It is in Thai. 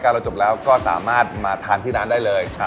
ครับผมก็สามารถโทรมาได้มีเปิดปิดกี่โมงครับ